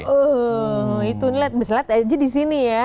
oh itu bisa dilihat aja di sini ya